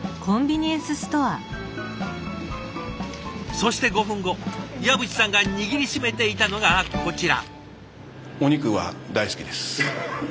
そして５分後岩渕さんが握りしめていたのがこちら。